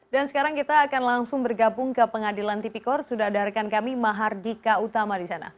dan sekarang kita akan langsung bergabung ke pengadilan tipikor sudah ada rekan kami mahardika utama di sana